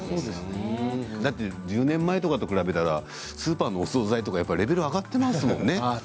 だって１０年前とかと比べたらスーパーのお総菜とかレベルが上がっていますものね。